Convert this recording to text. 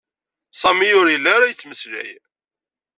Sami ur yelli ara yettmeslay.